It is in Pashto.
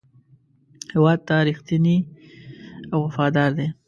هېواد ته رښتینی او وفادار دی.